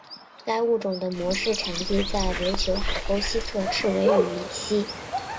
该物种的模式产地在琉球海沟西侧赤尾屿以西。